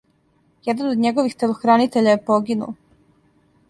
Један од његових телохранитеља је погинуо.